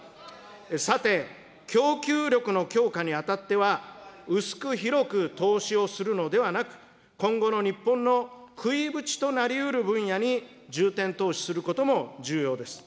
さて、供給力の強化にあたっては、薄く広く投資をするのではなく、今後の日本の食いぶちとなりうる分野に重点投資することも重要です。